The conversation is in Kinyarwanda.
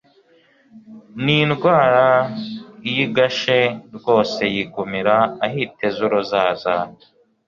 n'indwara iyigashe rwose yigumira aho iteze uruzaza